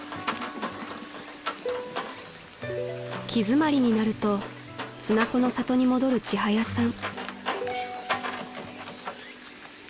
［気詰まりになると綱子の里に戻るちはやさん］